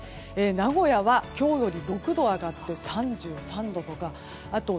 名古屋は今日より６度上がって３３度とかあと